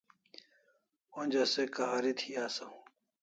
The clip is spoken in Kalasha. Onja se k'ahari thi asaw